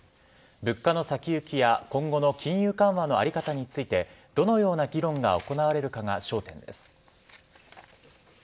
物価の先行きや今後の金融緩和の在り方についてどのような議論が行われるかが焦点です。